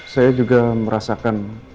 saya juga merasakan